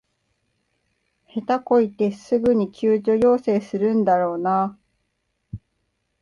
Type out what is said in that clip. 下手こいてすぐに救助要請するんだろうなあ